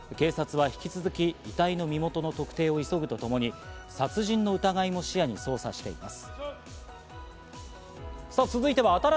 警察が引き続き、遺体の身元の特定を急ぐとともに、殺人の疑いも視野に捜査しています。